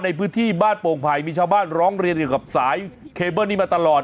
ในพื้นที่บ้านโป่งไผ่มีชาวบ้านร้องเรียนเกี่ยวกับสายเคเบิ้ลนี้มาตลอด